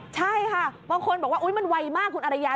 ใช่ค่ะบางคนบอกว่ามันไวมากคุณอรยา